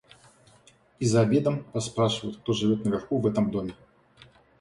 И за обедом расспрашивают, кто живет наверху в этом доме.